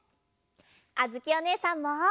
あづきおねえさんも！